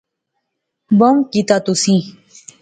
بہوں کیتا تسیں